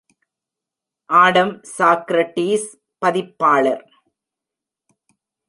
Adam Socrates பதிப்பாளர்